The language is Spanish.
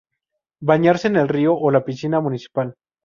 Bañarse en el río o la piscina municipal.